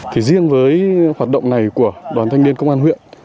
thì riêng với hoạt động này của đoàn thanh niên công an huyện